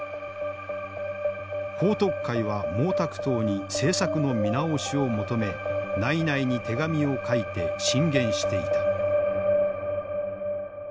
彭徳懐は毛沢東に政策の見直しを求め内々に手紙を書いて進言していた。